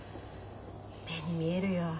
目に見えるよ。